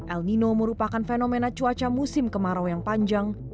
el nino merupakan fenomena cuaca musim kemarau yang panjang